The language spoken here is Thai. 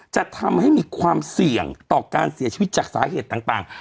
จะทำให้มีความเสี่ยงต่อการเสียชีวิตจากสาเหตุต่าง